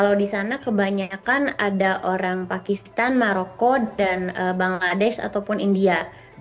kalau di sana kebanyakan ada orang pakistan maroko dan bangladesh ataupun india